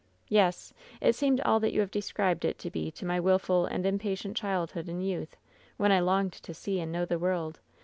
''" 'Yes. It seemed all that you have described it to Ke to my wilful and impatient childhood and youth, when I longed to see and know the world.